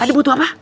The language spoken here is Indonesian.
tadi butuh apa